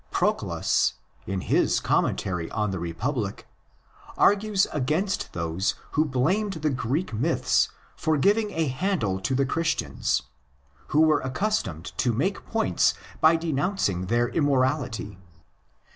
Proclus, in his commentary on the Republic, argues against those who blamed the Greek myths for giving a handle to the Christians,' who were accustomed to make points by denouncing their immorality.